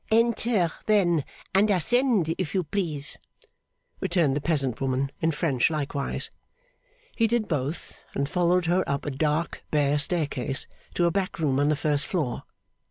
'Enter then and ascend, if you please,' returned the peasant woman, in French likewise. He did both, and followed her up a dark bare staircase to a back room on the first floor.